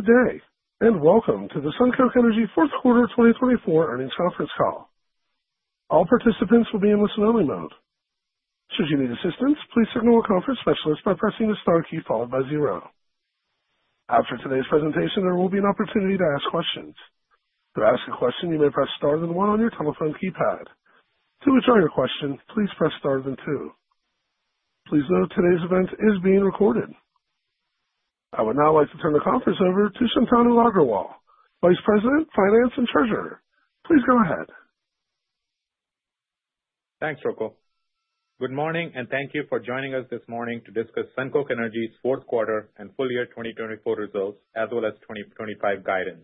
Good day, and welcome to the SunCoke Energy Fourth Quarter 2024 Earnings Conference Call. All participants will be in listen-only mode. Should you need assistance, please signal a conference specialist by pressing the star key followed by zero. After today's presentation, there will be an opportunity to ask questions. To ask a question, you may press star then one on your telephone keypad. To withdraw your question, please press star then two. Please note today's event is being recorded. I would now like to turn the conference over to Shantanu Agrawal, Vice President, Finance and Treasurer. Please go ahead. Thanks, Rocco. Good morning, and thank you for joining us this morning to discuss SunCoke Energy's Fourth Quarter and full year 2024 results, as well as 2025 guidance.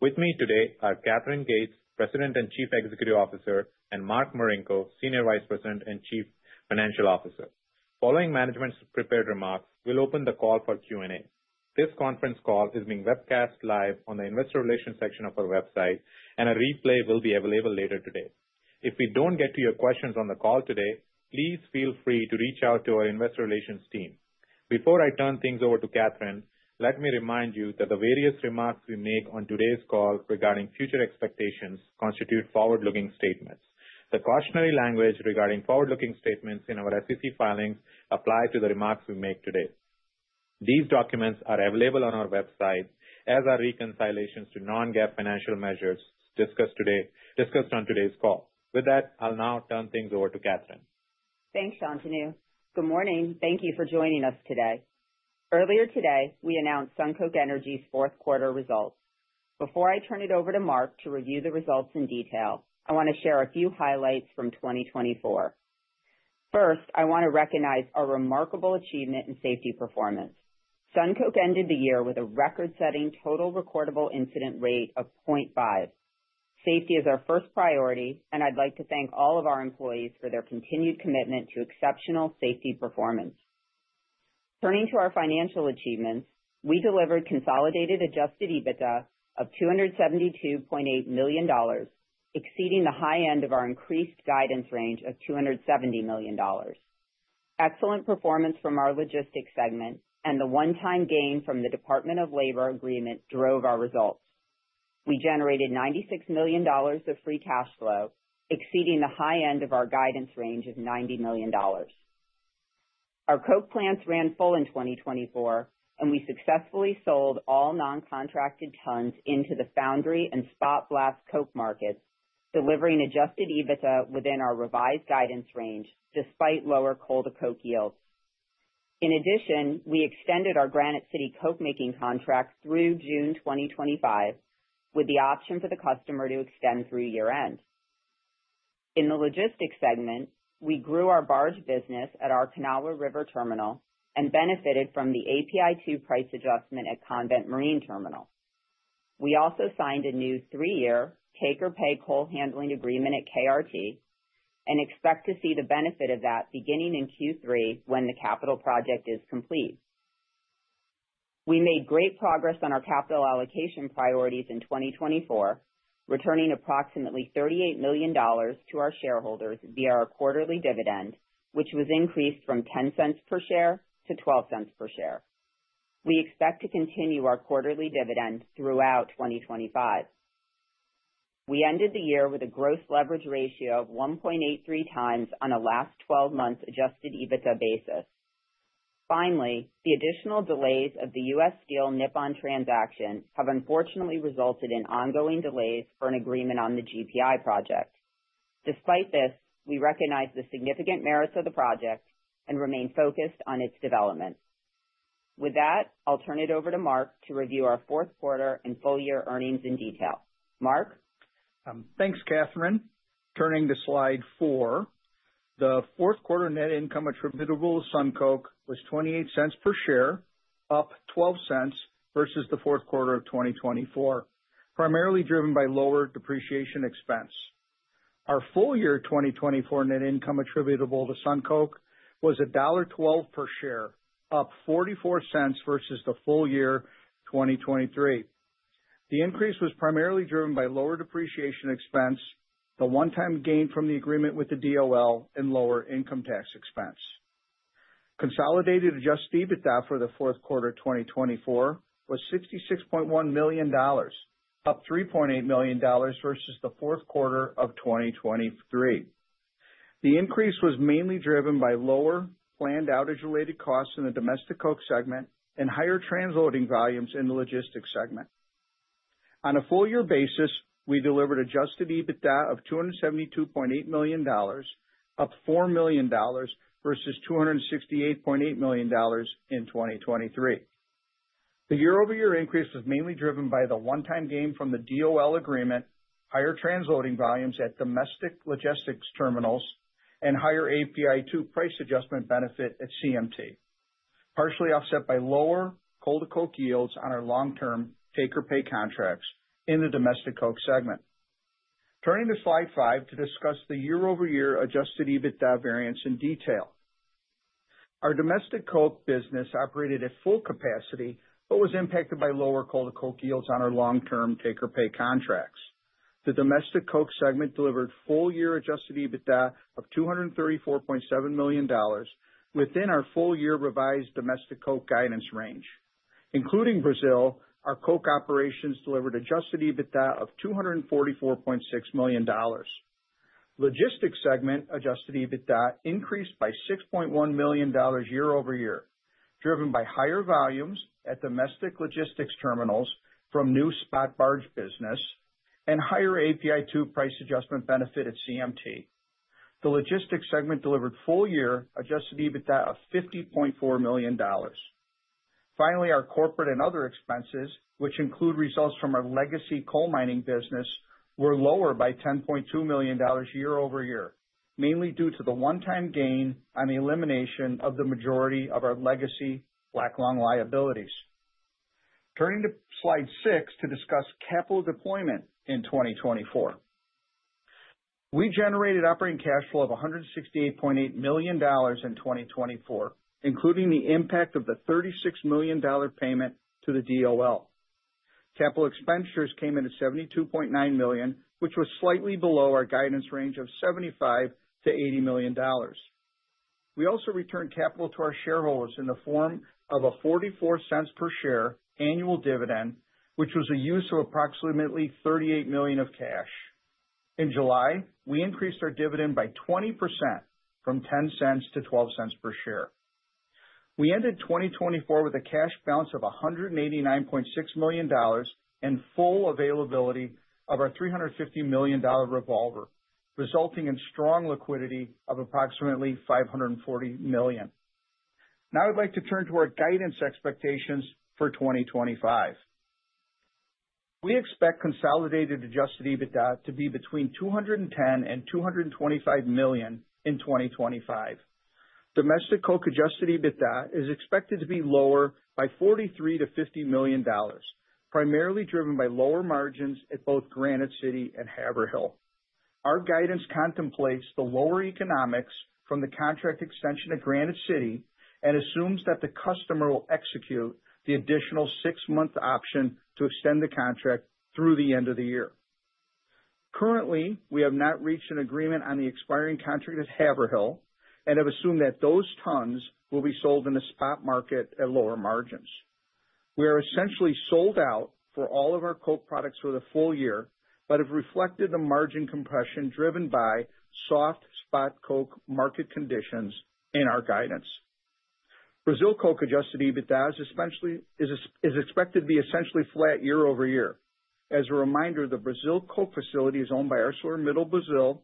With me today are Katherine Gates, President and Chief Executive Officer, and Mark Marinko, Senior Vice President and Chief Financial Officer. Following management's prepared remarks, we'll open the call for Q&A. This conference call is being webcast live on the Investor Relations section of our website, and a replay will be available later today. If we don't get to your questions on the call today, please feel free to reach out to our Investor Relations team. Before I turn things over to Katherine, let me remind you that the various remarks we make on today's call regarding future expectations constitute forward-looking statements. The cautionary language regarding forward-looking statements in our SEC filings applies to the remarks we make today. These documents are available on our website, as are reconciliations to non-GAAP financial measures discussed on today's call. With that, I'll now turn things over to Katherine. Thanks, Shantanu. Good morning. Thank you for joining us today. Earlier today, we announced SunCoke Energy's Fourth Quarter results. Before I turn it over to Mark to review the results in detail, I want to share a few highlights from 2024. First, I want to recognize our remarkable achievement in safety performance. SunCoke ended the year with a record-setting Total Recordable Incident Rate of 0.5. Safety is our first priority, and I'd like to thank all of our employees for their continued commitment to exceptional safety performance. Turning to our financial achievements, we delivered consolidated Adjusted EBITDA of $272.8 million, exceeding the high end of our increased guidance range of $270 million. Excellent performance from our logistics segment and the one-time gain from the Department of Labor agreement drove our results. We generated $96 million of free cash flow, exceeding the high end of our guidance range of $90 million. Our coke plants ran full in 2024, and we successfully sold all non-contracted tons into the foundry and spot blast coke markets, delivering Adjusted EBITDA within our revised guidance range despite lower coal-to-coke yields. In addition, we extended our Granite City coke-making contract through June 2025, with the option for the customer to extend through year-end. In the logistics segment, we grew our barge business at our Kanawha River Terminal and benefited from the API 2 price adjustment at Convent Marine Terminal. We also signed a new three-year take-or-pay coal handling agreement at KRT and expect to see the benefit of that beginning in Q3 when the capital project is complete. We made great progress on our capital allocation priorities in 2024, returning approximately $38 million to our shareholders via our quarterly dividend, which was increased from $0.10 per share to $0.12 per share. We expect to continue our quarterly dividend throughout 2025. We ended the year with a gross leverage ratio of 1.83x on a last 12-month Adjusted EBITDA basis. Finally, the additional delays of the U.S. Steel Nippon transaction have unfortunately resulted in ongoing delays for an agreement on the GPI project. Despite this, we recognize the significant merits of the project and remain focused on its development. With that, I'll turn it over to Mark to review our Fourth Quarter and full year earnings in detail. Mark. Thanks, Katherine. Turning to slide four, the Fourth Quarter net income attributable to SunCoke was $0.28 per share, up $0.12 versus the Fourth Quarter of 2024, primarily driven by lower depreciation expense. Our full year 2024 net income attributable to SunCoke was $1.12 per share, up $0.44 versus the full year 2023. The increase was primarily driven by lower depreciation expense, the one-time gain from the agreement with the DOL, and lower income tax expense. Consolidated Adjusted EBITDA for the Fourth Quarter 2024 was $66.1 million, up $3.8 million versus the Fourth Quarter of 2023. The increase was mainly driven by lower planned outage-related costs in the Domestic Coke Segment and higher transloading volumes in the logistics segment. On a full year basis, we delivered Adjusted EBITDA of $272.8 million, up $4 million versus $268.8 million in 2023. The year-over-year increase was mainly driven by the one-time gain from the DOL agreement, higher transloading volumes at domestic logistics terminals, and higher API-2 price adjustment benefit at CMT, partially offset by lower coal-to-coke yields on our long-term take-or-pay contracts in the Domestic Coke Segment. Turning to slide five to discuss the year-over-year Adjusted EBITDA variance in detail. Our Domestic Coke business operated at full capacity but was impacted by lower coal-to-coke yields on our long-term take-or-pay contracts. The Domestic Coke Segment delivered full year Adjusted EBITDA of $234.7 million within our full year revised Domestic Coke guidance range. Including Brazil, our Coke operations delivered Adjusted EBITDA of $244.6 million. Logistics segment Adjusted EBITDA increased by $6.1 million year-over-year, driven by higher volumes at domestic logistics terminals from new spot barge business and higher API-2 price adjustment benefit at CMT. The logistics segment delivered full year Adjusted EBITDA of $50.4 million. Finally, our corporate and other expenses, which include results from our legacy coal mining business, were lower by $10.2 million year-over-year, mainly due to the one-time gain on the elimination of the majority of our legacy Black Lung liabilities. Turning to slide six to discuss capital deployment in 2024. We generated operating cash flow of $168.8 million in 2024, including the impact of the $36 million payment to the DOL. Capital expenditures came in at $72.9 million, which was slightly below our guidance range of $75 million-$80 million. We also returned capital to our shareholders in the form of a $0.44 per share annual dividend, which was a use of approximately $38 million of cash. In July, we increased our dividend by 20% from $0.10-$0.12 per share. We ended 2024 with a cash balance of $189.6 million and full availability of our $350 million revolver, resulting in strong liquidity of approximately $540 million. Now I'd like to turn to our guidance expectations for 2025. We expect consolidated Adjusted EBITDA to be between $210 and $225 million in 2025. Domestic Coke Adjusted EBITDA is expected to be lower by $43 million-$50 million, primarily driven by lower margins at both Granite City and Haverhill. Our guidance contemplates the lower economics from the contract extension at Granite City and assumes that the customer will execute the additional six-month option to extend the contract through the end of the year. Currently, we have not reached an agreement on the expiring contract at Haverhill and have assumed that those tons will be sold in the spot market at lower margins. We are essentially sold out for all of our coke products for the full year but have reflected the margin compression driven by soft spot coke market conditions in our guidance. Brazil coke Adjusted EBITDA is expected to be essentially flat year-over-year. As a reminder, the Brazil coke facility is owned by ArcelorMittal Brazil,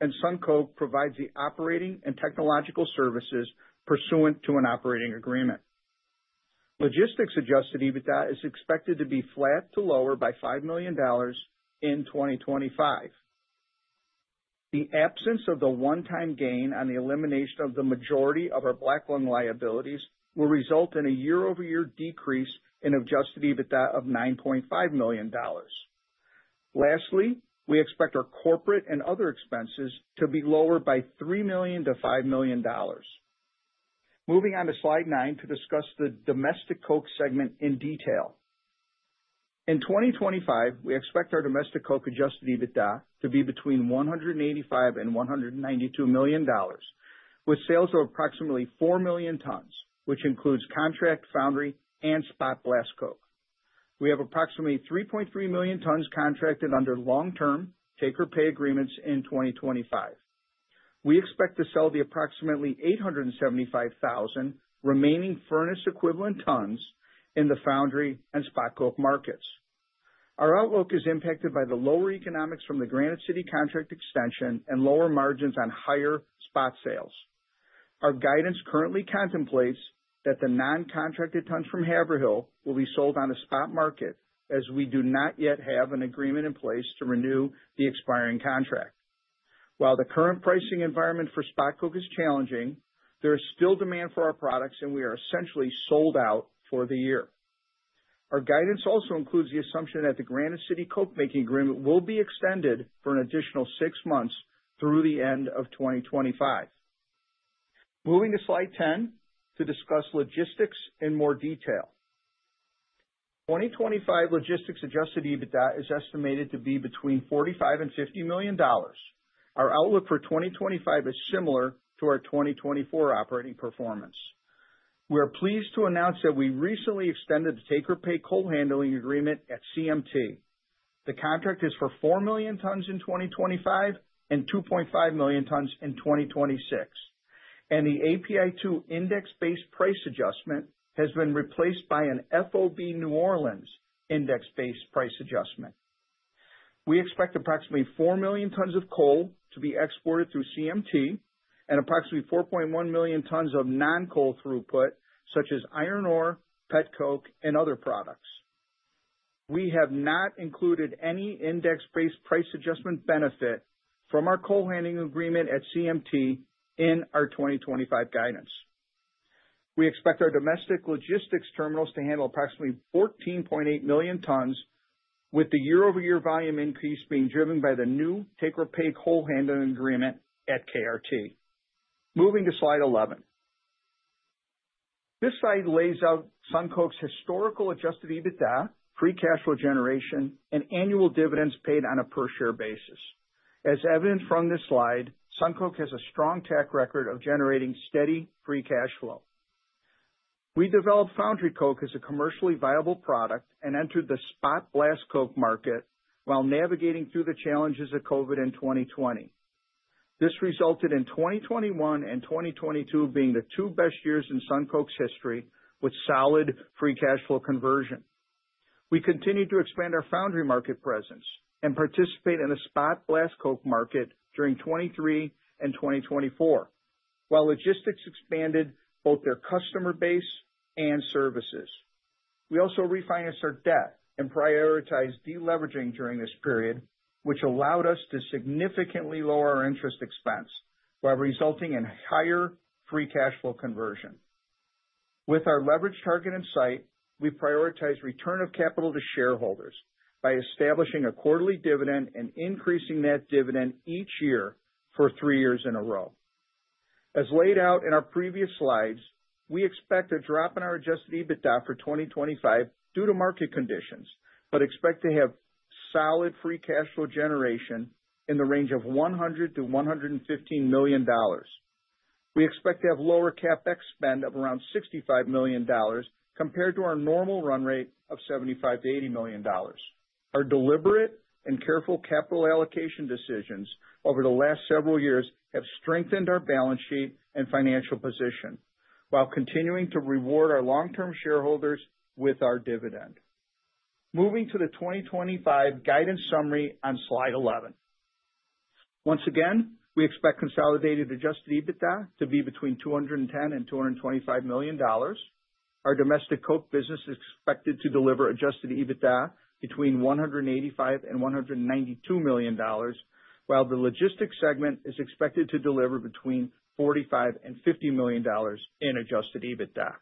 and SunCoke provides the operating and technological services pursuant to an operating agreement. Logistics Adjusted EBITDA is expected to be flat to lower by $5 million in 2025. The absence of the one-time gain on the elimination of the majority of our Black Lung liabilities will result in a year-over-year decrease in Adjusted EBITDA of $9.5 million. Lastly, we expect our corporate and other expenses to be lower by $3 million to $5 million. Moving on to slide nine to discuss the Domestic Coke Segment in detail. In 2025, we expect our Domestic Coke Adjusted EBITDA to be between $185 and $192 million, with sales of approximately 4 million tons, which includes contract, foundry, and spot blast Coke. We have approximately 3.3 million tons contracted under long-term take-or-pay agreements in 2025. We expect to sell the approximately 875,000 remaining furnace-equivalent tons in the foundry and spot coke markets. Our outlook is impacted by the lower economics from the Granite City contract extension and lower margins on higher spot sales. Our guidance currently contemplates that the non-contracted tons from Haverhill will be sold on a spot market, as we do not yet have an agreement in place to renew the expiring contract. While the current pricing environment for spot coke is challenging, there is still demand for our products, and we are essentially sold out for the year. Our guidance also includes the assumption that the Granite City cokemaking agreement will be extended for an additional six months through the end of 2025. Moving to slide 10 to discuss logistics in more detail. 2025 logistics Adjusted EBITDA is estimated to be between $45 million-$50 million. Our outlook for 2025 is similar to our 2024 operating performance. We are pleased to announce that we recently extended the take-or-pay coal handling agreement at CMT. The contract is for 4 million tons in 2025 and 2.5 million tons in 2026, and the API 2 index-based price adjustment has been replaced by an FOB New Orleans index-based price adjustment. We expect approximately 4 million tons of coal to be exported through CMT and approximately 4.1 million tons of non-coal throughput, such as iron ore, pet coke, and other products. We have not included any index-based price adjustment benefit from our coal handling agreement at CMT in our 2025 guidance. We expect our domestic logistics terminals to handle approximately 14.8 million tons, with the year-over-year volume increase being driven by the new take-or-pay coal handling agreement at KRT. Moving to Slide 11. This slide lays out SunCoke's historical Adjusted EBITDA, free cash flow generation, and annual dividends paid on a per-share basis. As evident from this slide, SunCoke has a strong track record of generating steady free cash flow. We developed foundry coke as a commercially viable product and entered the spot blast coke market while navigating through the challenges of COVID in 2020. This resulted in 2021 and 2022 being the two best years in SunCoke's history with solid free cash flow conversion. We continue to expand our foundry market presence and participate in the spot blast coke market during 2023 and 2024, while logistics expanded both their customer base and services. We also refinanced our debt and prioritized deleveraging during this period, which allowed us to significantly lower our interest expense, while resulting in higher free cash flow conversion. With our leverage target in sight, we prioritize return of capital to shareholders by establishing a quarterly dividend and increasing that dividend each year for three years in a row. As laid out in our previous slides, we expect a drop in our Adjusted EBITDA for 2025 due to market conditions, but expect to have solid free cash flow generation in the range of $100 million-$115 million. We expect to have lower CapEx spend of around $65 million compared to our normal run rate of $75 million-$80 million. Our deliberate and careful capital allocation decisions over the last several years have strengthened our balance sheet and financial position, while continuing to reward our long-term shareholders with our dividend. Moving to the 2025 guidance summary on slide 11. Once again, we expect consolidated Adjusted EBITDA to be between $210 million and $225 million. Our Domestic Coke business is expected to deliver Adjusted EBITDA between $185 million and $192 million, while the logistics segment is expected to deliver between $45 million and $50 million in Adjusted EBITDA.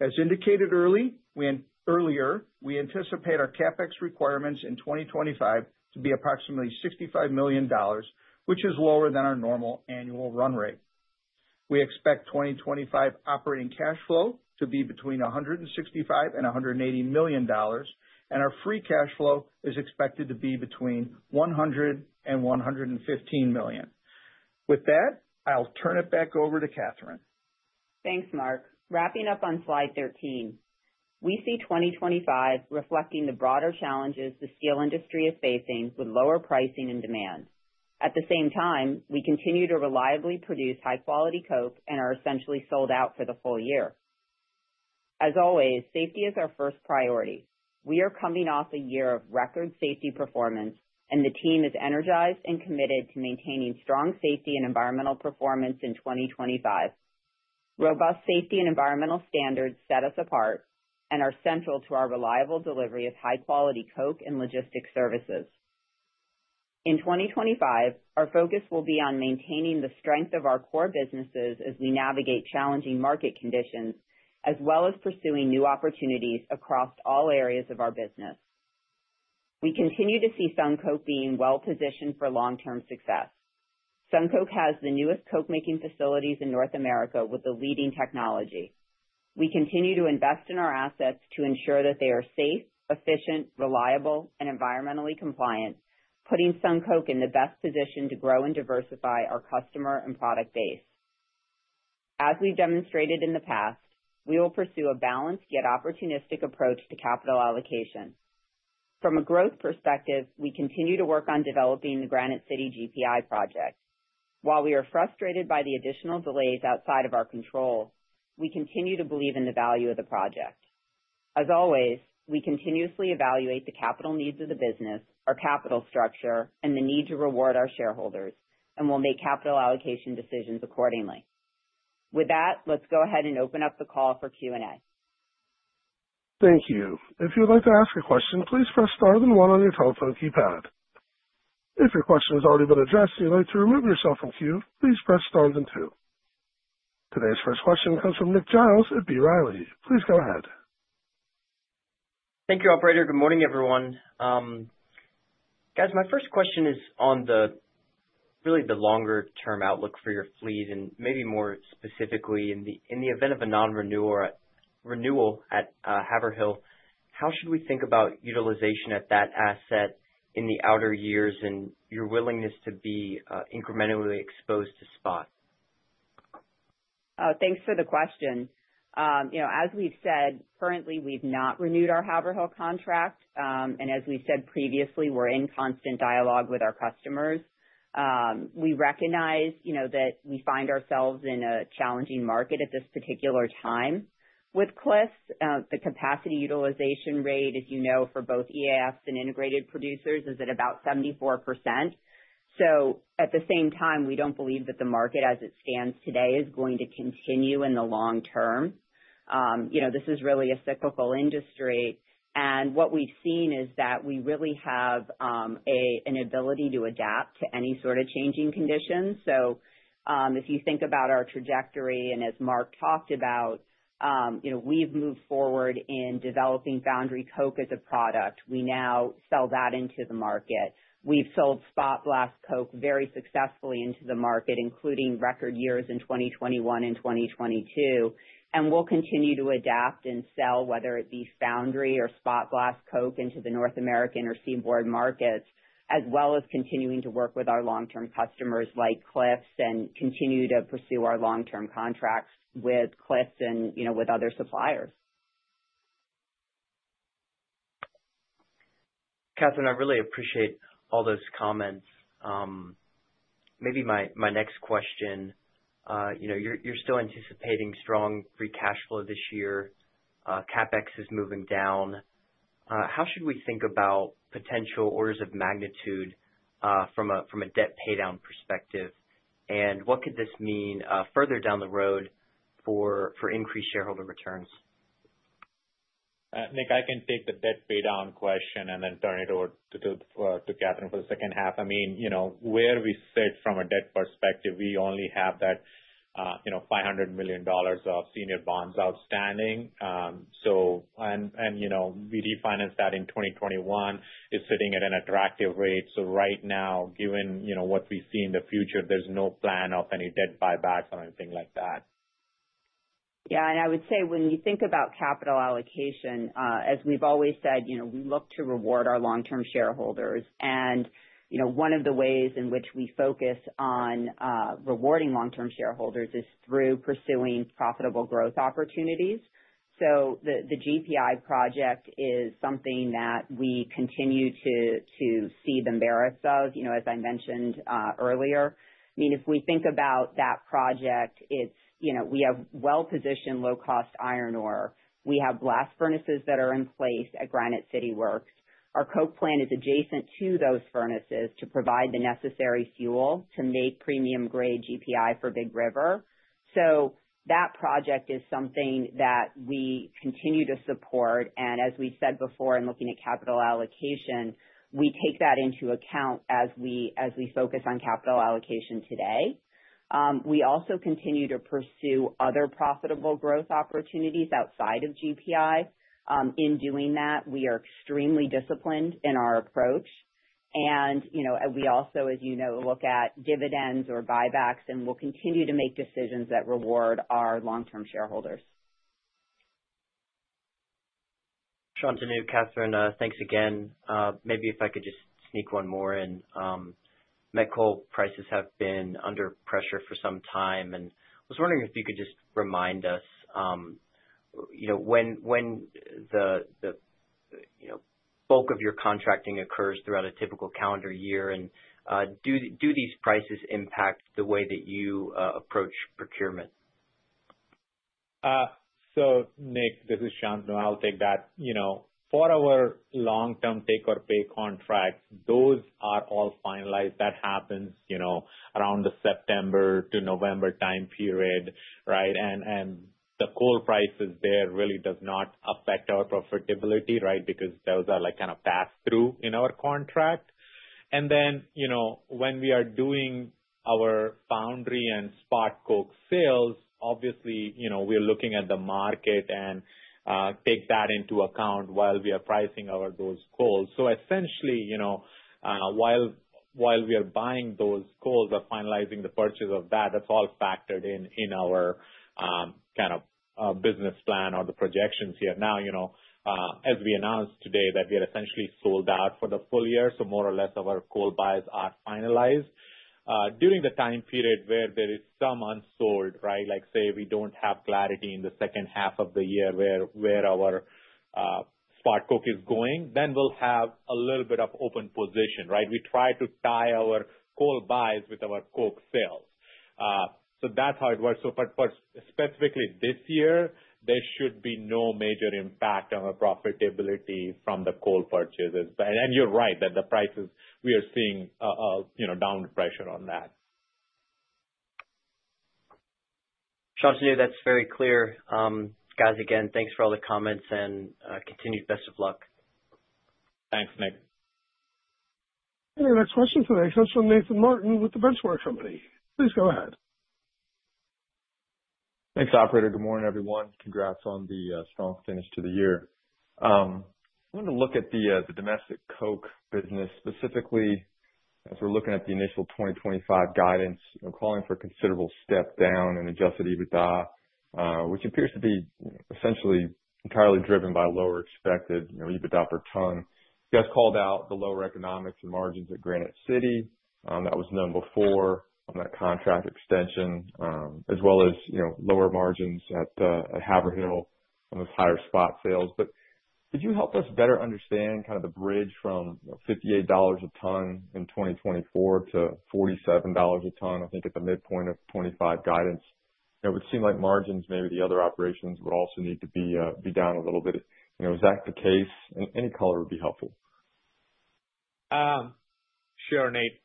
As indicated earlier, we anticipate our CapEx requirements in 2025 to be approximately $65 million, which is lower than our normal annual run rate. We expect 2025 operating cash flow to be between $165 million and $180 million, and our free cash flow is expected to be between $100 million and $115 million. With that, I'll turn it back over to Katherine. Thanks, Mark. Wrapping up on slide 13, we see 2025 reflecting the broader challenges the steel industry is facing with lower pricing and demand. At the same time, we continue to reliably produce high-quality Coke and are essentially sold out for the full year. As always, safety is our first priority. We are coming off a year of record safety performance, and the team is energized and committed to maintaining strong safety and environmental performance in 2025. Robust safety and environmental standards set us apart and are central to our reliable delivery of high-quality Coke and logistics services. In 2025, our focus will be on maintaining the strength of our core businesses as we navigate challenging market conditions, as well as pursuing new opportunities across all areas of our business. We continue to see SunCoke being well-positioned for long-term success. SunCoke has the newest cokemaking facilities in North America with the leading technology. We continue to invest in our assets to ensure that they are safe, efficient, reliable, and environmentally compliant, putting SunCoke in the best position to grow and diversify our customer and product base. As we've demonstrated in the past, we will pursue a balanced yet opportunistic approach to capital allocation. From a growth perspective, we continue to work on developing the Granite City GPI project. While we are frustrated by the additional delays outside of our control, we continue to believe in the value of the project. As always, we continuously evaluate the capital needs of the business, our capital structure, and the need to reward our shareholders, and we'll make capital allocation decisions accordingly. With that, let's go ahead and open up the call for Q&A. Thank you. If you'd like to ask a question, please press star then one on your telephone keypad. If your question has already been addressed and you'd like to remove yourself from queue, please press star then two. Today's first question comes from Nick Giles at B. Riley. Please go ahead. Thank you, Operator. Good morning, everyone. Guys, my first question is on really the longer term outlook for your fleet, and maybe more specifically in the event of a non-renewal at Haverhill. How should we think about utilization at that asset in the outer years and your willingness to be incrementally exposed to spot? Thanks for the question. As we've said, currently we've not renewed our Haverhill contract, and as we said previously, we're in constant dialogue with our customers. We recognize that we find ourselves in a challenging market at this particular time with Cliffs. The capacity utilization rate, as you know, for both EAFs and integrated producers is at about 74%, so at the same time, we don't believe that the market as it stands today is going to continue in the long term. This is really a cyclical industry, and what we've seen is that we really have an ability to adapt to any sort of changing conditions, so if you think about our trajectory, and as Mark talked about, we've moved forward in developing foundry coke as a product. We now sell that into the market. We've sold spot blast coke very successfully into the market, including record years in 2021 and 2022, and we'll continue to adapt and sell, whether it be foundry or spot blast coke, into the North American or seaboard markets, as well as continuing to work with our long-term customers like Cliffs and continue to pursue our long-term contracts with Cliffs and with other suppliers. Katherine, I really appreciate all those comments. Maybe my next question, you're still anticipating strong free cash flow this year. CapEx is moving down. How should we think about potential orders of magnitude from a debt paydown perspective, and what could this mean further down the road for increased shareholder returns? Nick, I can take the debt paydown question and then turn it over to Katherine for the second half. I mean, where we sit from a debt perspective, we only have that $500 million of senior bonds outstanding. And we refinanced that in 2021. It's sitting at an attractive rate. So right now, given what we see in the future, there's no plan of any debt buybacks or anything like that. Yeah, and I would say when you think about capital allocation, as we've always said, we look to reward our long-term shareholders. And one of the ways in which we focus on rewarding long-term shareholders is through pursuing profitable growth opportunities. So the GPI project is something that we continue to see the merits of, as I mentioned earlier. I mean, if we think about that project, we have well-positioned low-cost iron ore. We have blast furnaces that are in place at Granite City Works. Our Coke plant is adjacent to those furnaces to provide the necessary fuel to make premium-grade GPI for Big River. So that project is something that we continue to support. And as we said before, in looking at capital allocation, we take that into account as we focus on capital allocation today. We also continue to pursue other profitable growth opportunities outside of GPI. In doing that, we are extremely disciplined in our approach, and we also, as you know, look at dividends or buybacks and will continue to make decisions that reward our long-term shareholders. Thank you, Katherine, thanks again. Maybe if I could just sneak one more in. Met coal prices have been under pressure for some time, and I was wondering if you could just remind us when the bulk of your contracting occurs throughout a typical calendar year, and do these prices impact the way that you approach procurement? So Nick, this is Shantanu. I'll take that. For our long-term take-or-pay contracts, those are all finalized. That happens around the September to November time period, right? And the coal prices there really do not affect our profitability, right, because those are kind of passed through in our contract. And then when we are doing our foundry and spot coke sales, obviously, we're looking at the market and take that into account while we are pricing our those coals. So essentially, while we are buying those coals, we're finalizing the purchase of that. That's all factored in our kind of business plan or the projections here. Now, as we announced today, that we are essentially sold out for the full year, so more or less of our coal buys are finalized. During the time period where there is some unsold, right, like say we don't have clarity in the second half of the year where our spot coke is going, then we'll have a little bit of open position, right? We try to tie our coal buys with our coke sales, so that's how it works, but specifically this year, there should be no major impact on our profitability from the coal purchases, and you're right that the prices we are seeing down pressure on that. Shantanu, that's very clear. Guys, again, thanks for all the comments and continued best of luck. Thanks, Nick. Any next question from anyone from Nathan Martin with The Benchmark Company? Please go ahead. Thanks, Operator. Good morning, everyone. Congrats on the strong finish to the year. I wanted to look at the Domestic Coke business specifically as we're looking at the initial 2025 guidance, calling for a considerable step down in Adjusted EBITDA, which appears to be essentially entirely driven by lower expected EBITDA per ton. You guys called out the lower economics and margins at Granite City. That was known before on that contract extension, as well as lower margins at Haverhill on those higher spot sales. But could you help us better understand kind of the bridge from $58 a ton in 2024 to $47 a ton, I think, at the midpoint of 2025 guidance? It would seem like margins, maybe the other operations would also need to be down a little bit. Is that the case? Any color would be helpful. Sure, Nate.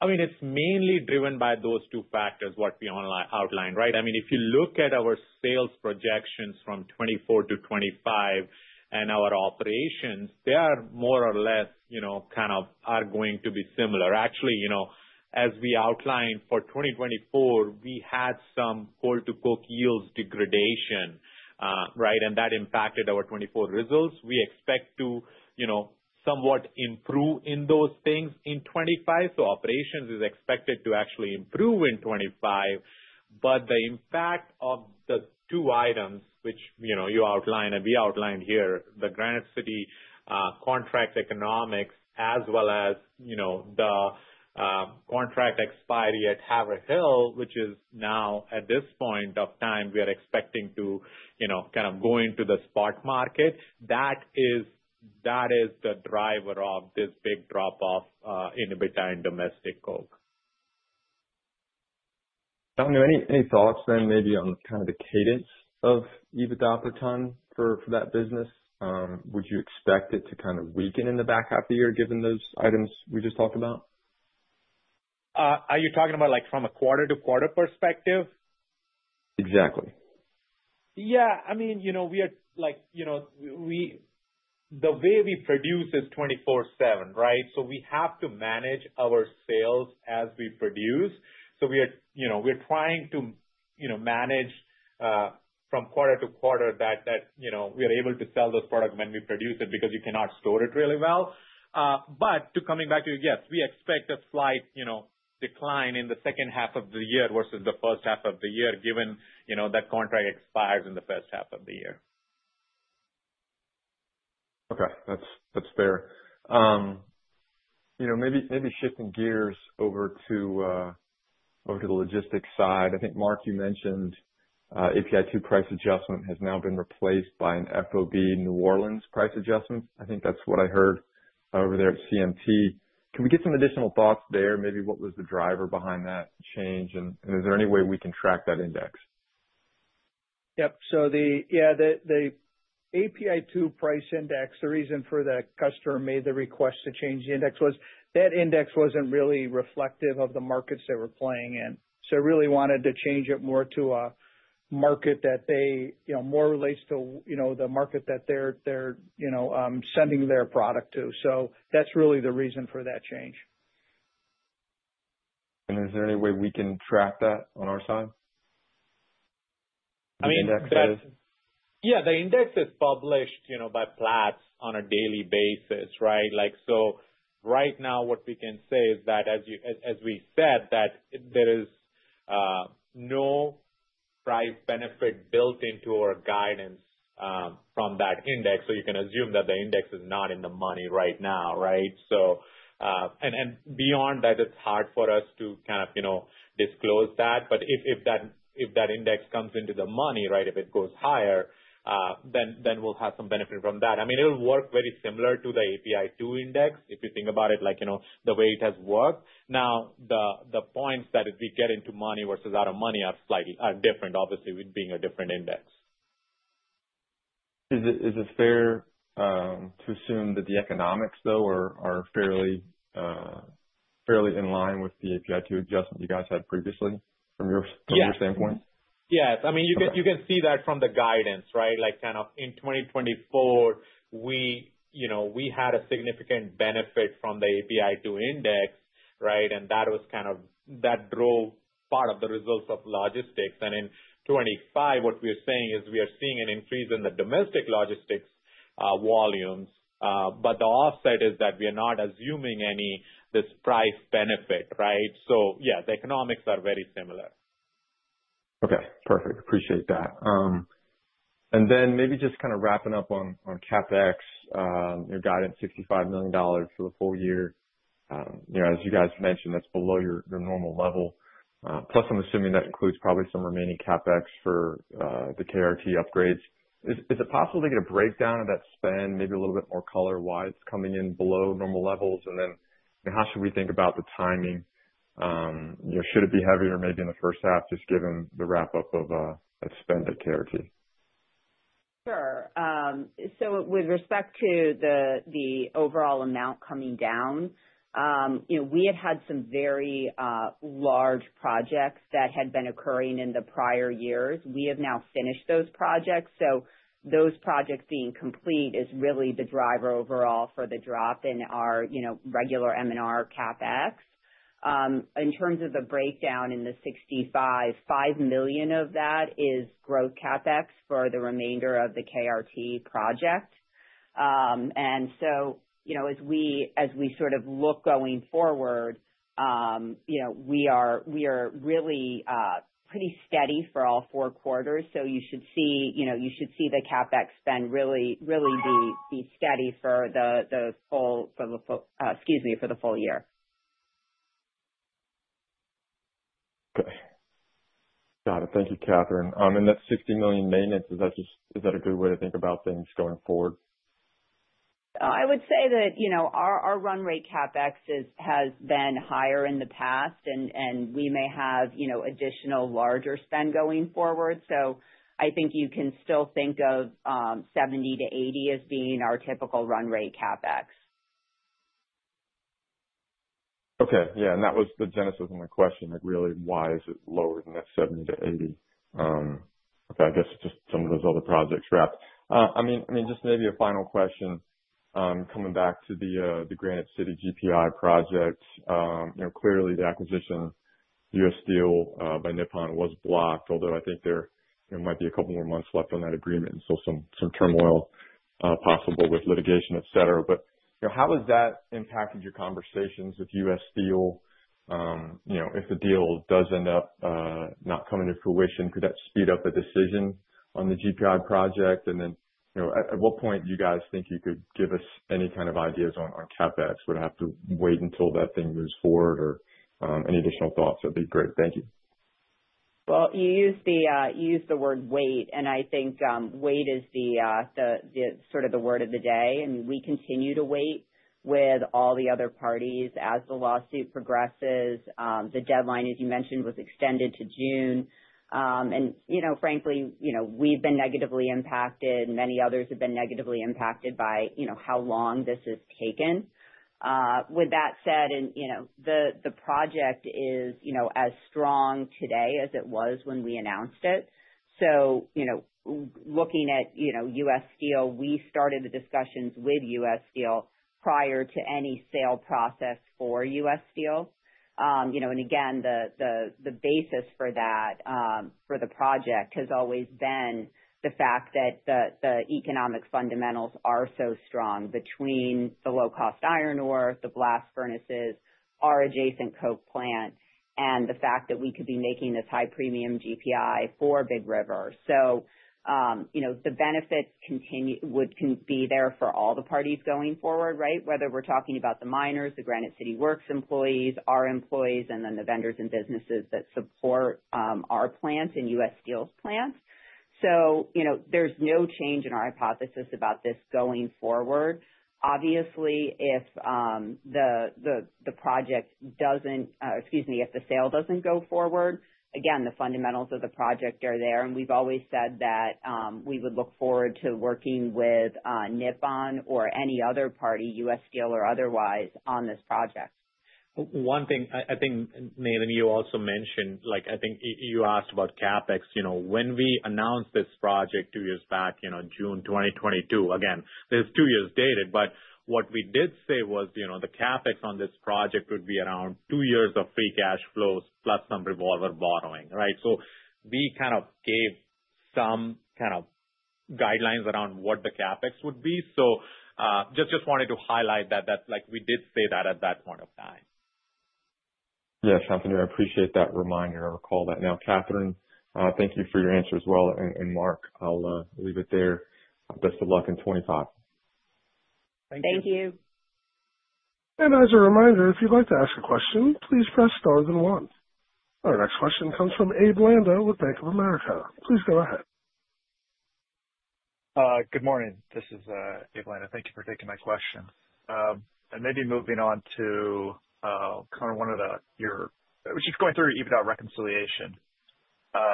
I mean, it's mainly driven by those two factors what we outlined, right? I mean, if you look at our sales projections from 2024 to 2025 and our operations, they are more or less kind of are going to be similar. Actually, as we outlined for 2024, we had some coal-to-coke yields degradation, right, and that impacted our 2024 results. We expect to somewhat improve in those things in 2025, so operations is expected to actually improve in 2025, but the impact of the two items, which you outlined and we outlined here, the Granite City contract economics as well as the contract expiry at Haverhill, which is now at this point of time we are expecting to kind of go into the spot market, that is the driver of this big drop-off in EBITDA in Domestic Coke. Katherine, any thoughts then maybe on kind of the cadence of EBITDA per ton for that business? Would you expect it to kind of weaken in the back half of the year given those items we just talked about? Are you talking about from a quarter-to-quarter perspective? Exactly. Yeah. I mean, we are like the way we produce is 24/7, right? So we have to manage our sales as we produce. So we are trying to manage from quarter to quarter that we are able to sell those products when we produce it because you cannot store it really well. But coming back to your guess, we expect a slight decline in the second half of the year versus the first half of the year given that contract expires in the first half of the year. Okay. That's fair. Maybe shifting gears over to the logistics side. I think, Mark, you mentioned API 2 price adjustment has now been replaced by an FOB New Orleans price adjustment. I think that's what I heard over there at CMT. Can we get some additional thoughts there? Maybe what was the driver behind that change? And is there any way we can track that index? Yep. So yeah, the API 2 price index. The reason the customer made the request to change the index was that the index wasn't really reflective of the markets they were playing in. So they really wanted to change it more to a market that more relates to the market that they're sending their product to. So that's really the reason for that change. Is there any way we can track that on our side? I mean, yeah, the index is published by Platts on a daily basis, right? So right now, what we can say is that, as we said, that there is no price benefit built into our guidance from that index. So you can assume that the index is not in the money right now, right? And beyond that, it's hard for us to kind of disclose that. But if that index comes into the money, right, if it goes higher, then we'll have some benefit from that. I mean, it'll work very similar to the API 2 index if you think about it like the way it has worked. Now, the points that we get into money versus out of money are different, obviously, with being a different index. Is it fair to assume that the economics, though, are fairly in line with the API 2 adjustment you guys had previously from your standpoint? Yes. I mean, you can see that from the guidance, right? Kind of in 2024, we had a significant benefit from the API 2 index, right? And that was kind of drove part of the results of logistics. And in 2025, what we are seeing is we are seeing an increase in the domestic logistics volumes, but the offset is that we are not assuming any this price benefit, right? So yeah, the economics are very similar. Okay. Perfect. Appreciate that. And then maybe just kind of wrapping up on CapEx, your guidance, $65 million for the full year. As you guys mentioned, that's below your normal level. Plus, I'm assuming that includes probably some remaining CapEx for the KRT upgrades. Is it possible to get a breakdown of that spend, maybe a little bit more color why it's coming in below normal levels? And then how should we think about the timing? Should it be heavier maybe in the first half just given the wrap-up of that spend at KRT? Sure. So with respect to the overall amount coming down, we had had some very large projects that had been occurring in the prior years. We have now finished those projects. So those projects being complete is really the driver overall for the drop in our regular M&R CapEx. In terms of the breakdown in the $65.5 million, $5 million of that is growth CapEx for the remainder of the KRT project. And so as we sort of look going forward, we are really pretty steady for all four quarters. So you should see the CapEx spend really be steady for the full, excuse me, for the full year. Okay. Got it. Thank you, Katherine. And that $60 million maintenance, is that a good way to think about things going forward? I would say that our run rate CapEx has been higher in the past, and we may have additional larger spend going forward. So I think you can still think of 70 to 80 as being our typical run rate CapEx. Okay. Yeah. And that was the genesis of my question, really, why is it lower than that 70-80? Okay. I guess just some of those other projects wrapped. I mean, just maybe a final question coming back to the Granite City GPI project. Clearly, the acquisition, U.S. Steel by Nippon, was blocked, although I think there might be a couple more months left on that agreement and still some turmoil possible with litigation, etc. But how has that impacted your conversations with U.S. Steel? If the deal does end up not coming to fruition, could that speed up the decision on the GPI project? And then at what point do you guys think you could give us any kind of ideas on CapEx? Would it have to wait until that thing moves forward or any additional thoughts? That'd be great. Thank you. Well, you used the word wait, and I think wait is sort of the word of the day. I mean, we continue to wait with all the other parties as the lawsuit progresses. The deadline, as you mentioned, was extended to June. And frankly, we've been negatively impacted. Many others have been negatively impacted by how long this has taken. With that said, the project is as strong today as it was when we announced it. So looking at U.S. Steel, we started the discussions with U.S. Steel prior to any sale process for U.S. Steel. And again, the basis for that, for the project, has always been the fact that the economic fundamentals are so strong between the low-cost iron ore, the blast furnaces, our adjacent Coke plant, and the fact that we could be making this high premium GPI for Big River. So the benefits would be there for all the parties going forward, right? Whether we're talking about the miners, the Granite City Works employees, our employees, and then the vendors and businesses that support our plants and U.S. Steel's plants. So there's no change in our hypothesis about this going forward. Obviously, if the project doesn't excuse me, if the sale doesn't go forward, again, the fundamentals of the project are there. And we've always said that we would look forward to working with Nippon or any other party, U.S. Steel or otherwise, on this project. One thing, I think, Nathan, you also mentioned. I think you asked about CapEx. When we announced this project two years back, June 2022, again, there's two years dated, but what we did say was the CapEx on this project would be around two years of free cash flows plus some revolver borrowing, right? So we kind of gave some kind of guidelines around what the CapEx would be. So just wanted to highlight that we did say that at that point of time. Yes, Anthony, I appreciate that reminder. I recall that. Now, Katherine, thank you for your answer as well. And Mark, I'll leave it there. Best of luck in 2025. Thank you. Thank you. As a reminder, if you'd like to ask a question, please press star then one. Our next question comes from Abe Landa with Bank of America. Please go ahead. Good morning. This is Abe Landa. Thank you for taking my question. And maybe moving on to kind of one of your just going through EBITDA reconciliation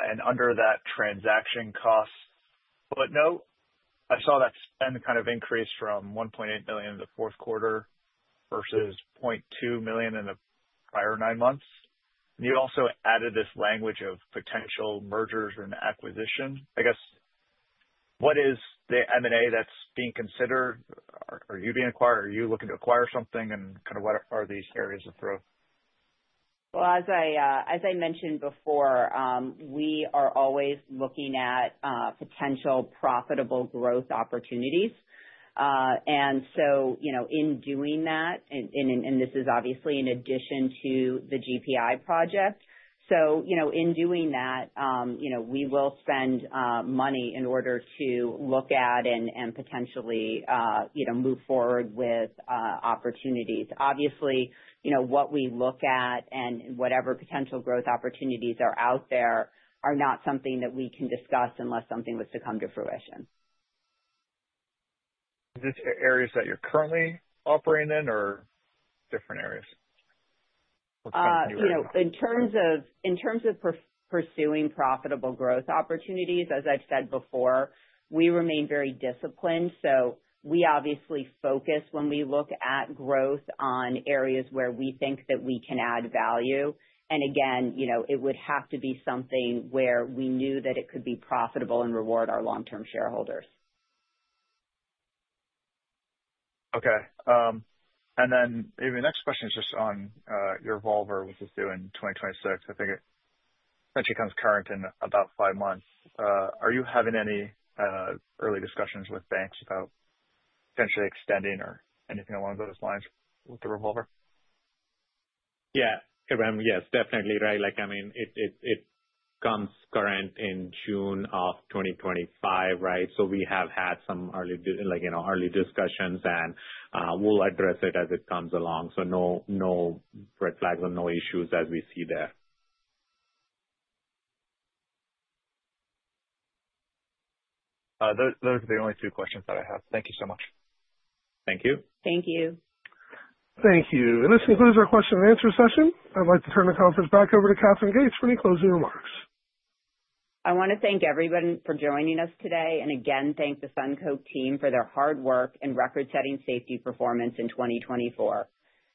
and under that transaction cost footnote, I saw that spend kind of increase from $1.8 million in the fourth quarter versus $0.2 million in the prior nine months. And you also added this language of potential mergers and acquisitions. I guess, what is the M&A that's being considered? Are you being acquired? Are you looking to acquire something? And kind of what are these areas of growth? As I mentioned before, we are always looking at potential profitable growth opportunities. In doing that, and this is obviously in addition to the GPI project, so in doing that, we will spend money in order to look at and potentially move forward with opportunities. Obviously, what we look at and whatever potential growth opportunities are out there are not something that we can discuss unless something was to come to fruition. Are these areas that you're currently operating in or different areas? What kind of new areas? In terms of pursuing profitable growth opportunities, as I've said before, we remain very disciplined, so we obviously focus when we look at growth on areas where we think that we can add value, and again, it would have to be something where we knew that it could be profitable and reward our long-term shareholders. Okay. And then maybe my next question is just on your revolver, which is due in 2026. I think it essentially comes current in about five months. Are you having any early discussions with banks about potentially extending or anything along those lines with the revolver? Yeah. Yes, definitely, right? I mean, it comes current in June of 2025, right? So we have had some early discussions, and we'll address it as it comes along. So no red flags and no issues as we see there. Those are the only two questions that I have. Thank you so much. Thank you. Thank you. Thank you. And this concludes our question and answer session. I'd like to turn the conference back over to Katherine Gates for any closing remarks. I want to thank everyone for joining us today, and again, thank the SunCoke team for their hard work in record-setting safety performance in 2024.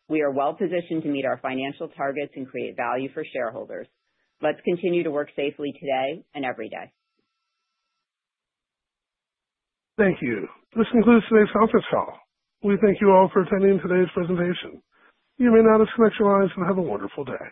We are well-positioned to meet our financial targets and create value for shareholders. Let's continue to work safely today and every day. Thank you. This concludes today's conference call. We thank you all for attending today's presentation. You may now disconnect your lines and have a wonderful day.